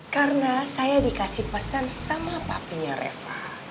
karena saya dikasih pesan sama papinya reva